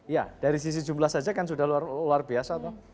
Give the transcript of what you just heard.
ya dari sisi jumlah saja kan sudah luar biasa